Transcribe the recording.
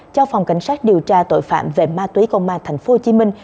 cho phòng cảnh sát điều tra tội phạm về ma túy công an thành phố hồ chí minh